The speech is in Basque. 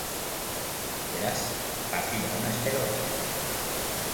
Beraz, partida ona espero da.